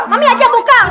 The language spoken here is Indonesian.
mami aja yang buka